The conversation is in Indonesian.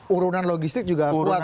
urunan logistik juga kuat